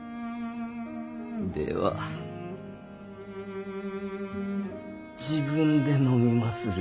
では自分で飲みまするゆえ。